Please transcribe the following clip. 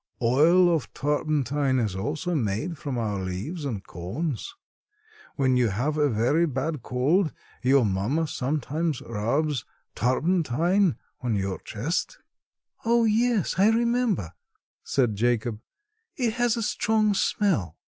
Oil of turpentine is also made from our leaves and cones. When you have a very bad cold your mamma sometimes rubs turpentine on your chest." "Oh, yes, I remember," said Jacob; "it has a strong smell."